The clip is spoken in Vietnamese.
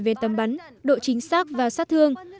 về tầm bắn độ chính xác và sát thương